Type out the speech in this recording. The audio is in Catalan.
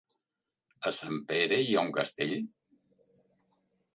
A Sempere hi ha un castell?